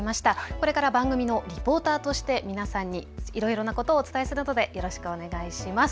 これから番組のリポーターとして皆さんにいろいろなことをお伝えするのでよろしくお願いします。